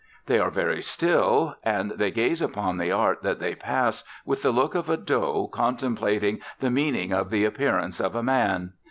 They are very still, and they gaze upon the art that they pass with the look of a doe contemplating the meaning of the appearance of a man.